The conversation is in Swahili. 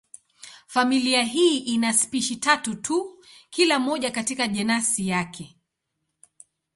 Familia hii ina spishi tatu tu, kila moja katika jenasi yake.